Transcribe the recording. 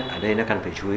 ở đây nó cần phải chú ý